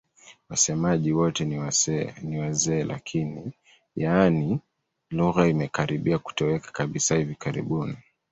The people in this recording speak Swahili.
Wasemaji wote ni wazee lakini, yaani lugha imekaribia kutoweka kabisa hivi karibuni.